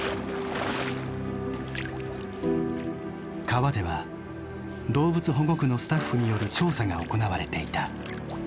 川では動物保護区のスタッフによる調査が行われていた。